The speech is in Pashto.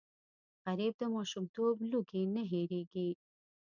غریب د ماشومتوب لوږې نه هېرېږي